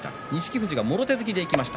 富士がもろ手突きでいきました。